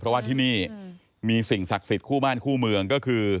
เพราะว่าที่นี่มีสิ่งศักดิ์สิทธิ์คู่บ้านคู่เมืองก็คือ